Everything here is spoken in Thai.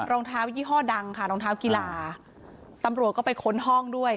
รองเท้ายี่ห้อดังค่ะรองเท้ากีฬาตำรวจก็ไปค้นห้องด้วย